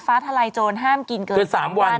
ทะลายโจรห้ามกินเกิน๓วัน